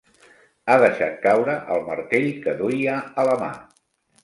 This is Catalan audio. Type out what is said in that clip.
Ha deixat caure el martell que duia a la mà.